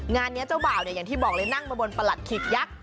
งานนี้เจ้าบ่าวเนี่ยอย่างที่บอกเลยนั่งมาบนประหลัดขีกยักษ์